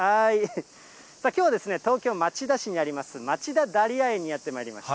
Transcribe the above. きょうは東京・町田市にあります、町田ダリア園にやってまいりました。